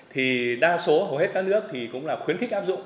thì đa số hầu hết các nước thì cũng là khuyến khích áp dụng